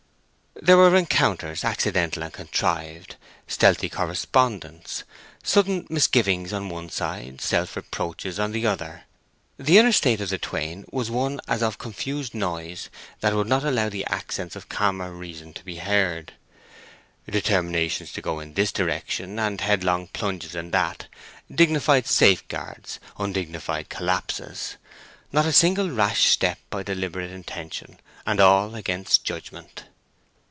There were rencounters accidental and contrived, stealthy correspondence, sudden misgivings on one side, sudden self reproaches on the other. The inner state of the twain was one as of confused noise that would not allow the accents of calmer reason to be heard. Determinations to go in this direction, and headlong plunges in that; dignified safeguards, undignified collapses; not a single rash step by deliberate intention, and all against judgment.